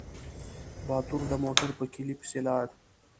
باتور د موټر په کيلي پسې لاړ.